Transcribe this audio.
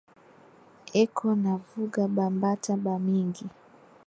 Eko na vuga ba mbata ba mingi